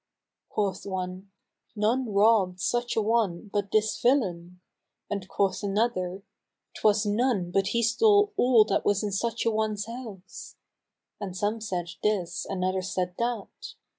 Quoth one, "None robbed such an one but this villain," and quoth another, "'Twas none but he stole all that was in such an one's house;" and some said this and others said that.